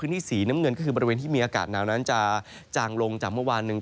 ที่สีน้ำเงินก็คือบริเวณที่มีอากาศหนาวนั้นจะจางลงจากเมื่อวานหนึ่ง